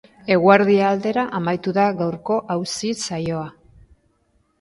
Eguerdia aldera amaitu da gaurko auzi saioa.